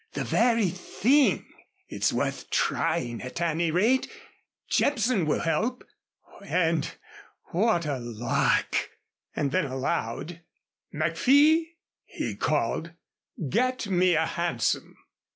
"The very thing. It's worth trying at any rate. Jepson will help. And what a lark!" And then aloud: "McFee," he called, "get me a hansom."